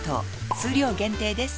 数量限定です